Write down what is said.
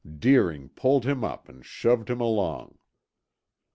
Deering pulled him up and shoved him along.